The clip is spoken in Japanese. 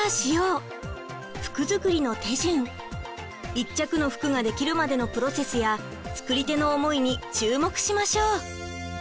１着の服ができるまでのプロセスや作り手の思いに注目しましょう。